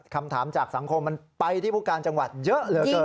คำถามจากสังคมมันไปที่ผู้การจังหวัดเยอะเหลือเกิน